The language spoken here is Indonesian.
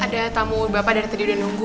ada tamu bapak dari tadi sudah menunggu